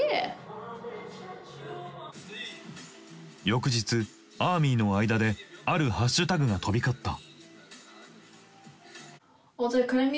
翌日アーミーの間であるハッシュタグが飛び交った。